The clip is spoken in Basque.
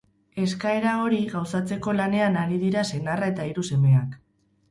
Eskaera hori gauzatzeko lanean ari dira senarra eta hiru semeak.